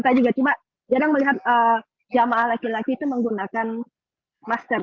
saya juga cuma jarang melihat jamaah laki laki itu menggunakan masker